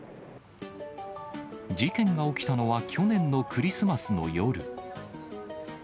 事件が起きたのは去年のクリスマスの夜。